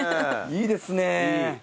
いいですね。